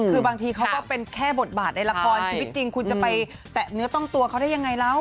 คือบางทีเขาก็เป็นแค่บทบาทในละครชีวิตจริงคุณจะไปแตะเนื้อต้องตัวเขาได้ยังไงแล้ว